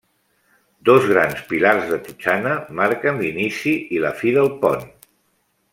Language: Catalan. Dos grans pilars de totxana marquen l'inici i la fi del pont.